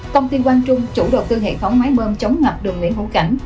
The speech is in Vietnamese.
công ty quang trung chủ đầu tư hệ thống máy bơm chống ngập đường nguyễn hữu cảnh